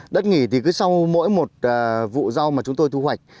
đất nghỉ thì cứ sau mỗi một vụ rau mà chúng tôi thu hoạch